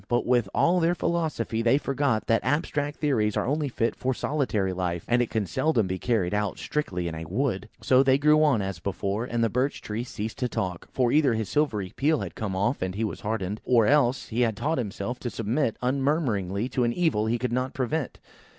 But, with all their philosophy, they forgot that abstract theories are only fit for solitary life, and can seldom be carried out strictly in a wood. So they grew on, as before, and the Birch tree ceased to talk, for either his silver peel had all come off, and he was hardened; or else, he had taught himself to submit unmurmuringly to an evil he could not prevent.